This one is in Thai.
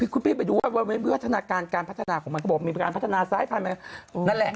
คุณพี่ไปดูวิวัฒนาการงานพัฒนาของมันมีพัฒนาซ้ายนั่นแหละ